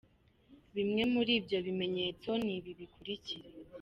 Bimwe muri ibyo bimenyetso ni ibi bikurikira:.